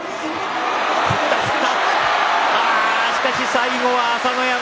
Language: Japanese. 最後は朝乃山。